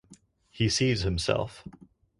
He sees himself.